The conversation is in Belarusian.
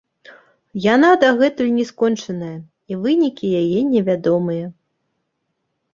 Яна дагэтуль не скончаная, і вынікі яе невядомыя.